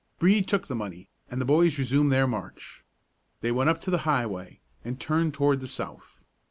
Brede took the money, and the boys resumed their march. They went up to the highway, and turned toward the south.